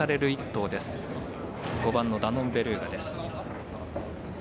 １頭５番、ダノンベルーガです。